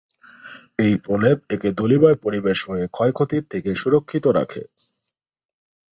এই প্রলেপ একে ধূলিময় পরিবেশ হয়ে ক্ষয়-ক্ষতির থেকে সুরক্ষিত রাখে।